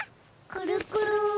くるくる。